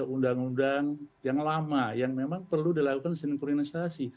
undang undang yang lama yang memang perlu dilakukan sinkronisasi